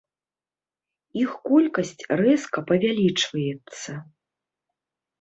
Іх колькасць рэзка павялічваецца.